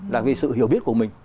là vì sự hiểu biết của mình